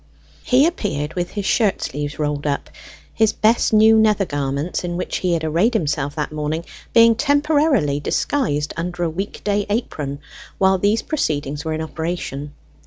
He appeared with his shirt sleeves rolled up; his best new nether garments, in which he had arrayed himself that morning, being temporarily disguised under a weekday apron whilst these proceedings were in operation.